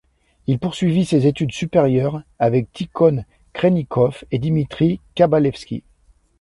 Il poursuit ses études supérieures avec Tikhon Khrennikov et Dmitri Kabalevski.